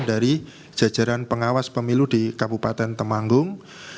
dari jajaran pengawas pemilu di kabupaten temanggung